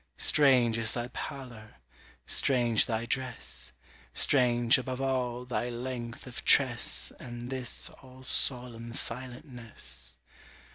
Strange is thy pallor! strange thy dress, Strange, above all, thy length of tress, And this all solemn silentness!